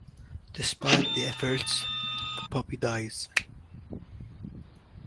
Despite the efforts the puppy dies.